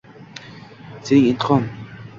Sen intiqom —